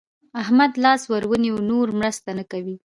احمد لاس ور ونيول؛ نور مرسته نه کوي.